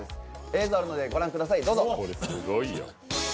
映像があるのでご覧ください、どうぞ。